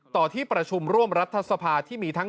ที่ประชุมร่วมรัฐสภาที่มีทั้ง